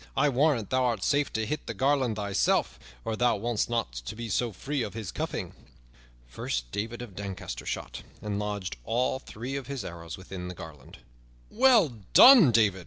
I warrant thou art safe to hit the garland thyself, or thou wouldst not be so free of his cuffing." First David of Doncaster shot, and lodged all three of his arrows within the garland. "Well done, David!"